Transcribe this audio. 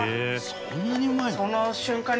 「そんなにうまいの？」